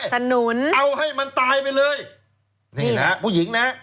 สนุนเอาให้มันตายไปเลยนี่นะฮะผู้หญิงนะฮะ